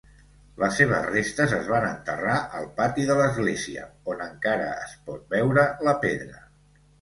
Les seves restes es van enterrar al pati de l"església, on encara es pot veure la pedra.